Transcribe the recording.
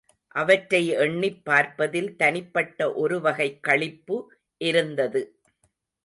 அவற்றை எண்ணிப் பார்ப்பதில் தனிப்பட்ட ஒருவகைக் களிப்பு இருந்தது.